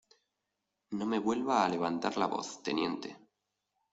no me vuelva a levantar la voz, teniente.